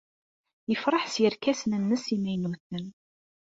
Yefṛeḥ s yerkasen-nnes imaynuten.